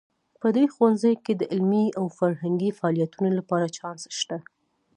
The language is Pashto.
په دې ښوونځي کې د علمي او فرهنګي فعالیتونو لپاره چانس شته